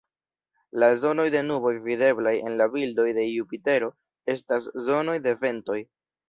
La zonoj de nuboj videblaj en la bildoj de Jupitero estas zonoj de ventoj.